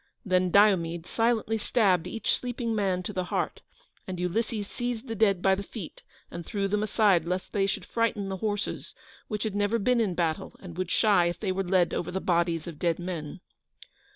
Then Diomede silently stabbed each sleeping man to the heart, and Ulysses seized the dead by the feet and threw them aside lest they should frighten the horses, which had never been in battle, and would shy if they were led over the bodies of dead men.